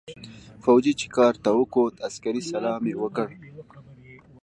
فوجي چې کارت ته وکوت عسکري سلام يې وکړ.